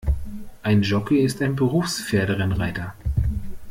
Ein Jockey ist ein Berufs-Pferderennreiter.